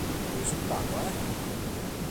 Il risultato è